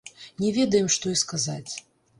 Не ведаем, што і сказаць.